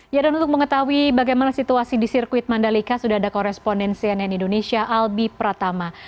ya dan untuk mengetahui bagaimana situasi di sirkuit mandalika sudah ada koresponden cnn indonesia albi pratama